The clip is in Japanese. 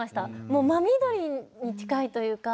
もう真緑に近いというか。